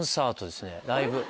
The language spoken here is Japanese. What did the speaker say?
ライブ。